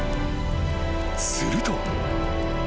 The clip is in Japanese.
［すると］